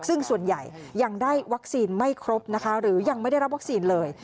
ซึ่งส่วนใหญ่ยังได้วัคซีนไม่ครบนะคะหรือยังไม่ได้รับวัคซีนเลย